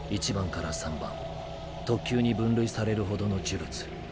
１番から３番特級に分類されるほどの呪物